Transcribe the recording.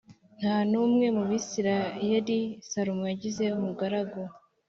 Nta n umwe mu Bisirayeli Salomo yagize umugaragu